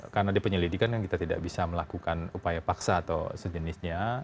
karena di penyelidikan kita tidak bisa melakukan upaya paksa atau sejenisnya